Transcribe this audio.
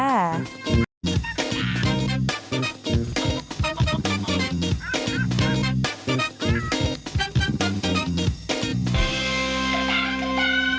สวัสดีค่ะ